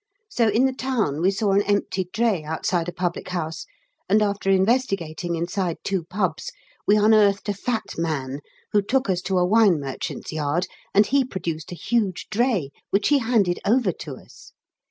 So in the town we saw an empty dray outside a public house, and after investigating inside two pubs we unearthed a fat man, who took us to a wine merchant's yard, and he produced a huge dray, which he handed over to us!